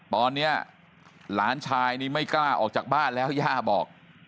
ตอนนี้หลานชายนี่ไม่กล้าออกจากบ้านแล้วย่าบอก